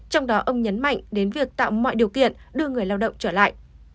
trong đó ông nhấn mạnh đến việc tạo mọi điều kiện đưa người lao động trở lại